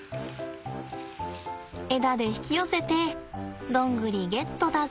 枝で引き寄せてドングリゲットだぜ。